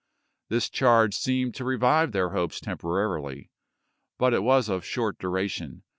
This charge seemed to revive their hopes temporarily, but it was of short duration.